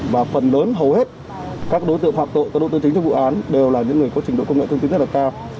và phần lớn hầu hết các đối tượng phạm tội các đối tượng chính trong vụ án đều là những người có trình độ công nghệ thông tin rất là cao